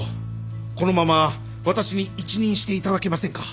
このまま私に一任していただけませんか？